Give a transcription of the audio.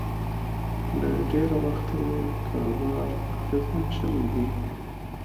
له ډېره وخته یې کاروبار اغېزمن شوی دی